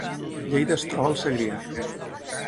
Lleida es troba al Segrià